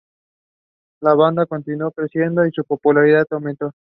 La banda continuó creciendo y su popularidad aumentó.